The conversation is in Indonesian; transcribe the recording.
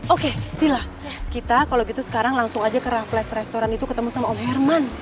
oke sila kita kalau gitu sekarang langsung aja ke raffles restoran itu ketemu sama om herman